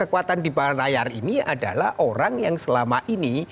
kekuatan di layar ini adalah orang yang selama ini